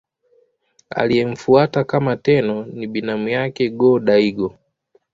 Aliyemfuata kama Tenno ni binamu yake Go-Daigo.